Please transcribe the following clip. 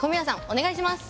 お願いします。